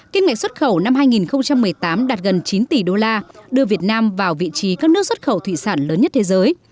kim ngạch xuất khẩu năm hai nghìn một mươi tám đạt gần chín tỷ đô la đưa việt nam vào vị trí các nước xuất khẩu thủy sản lớn nhất thế giới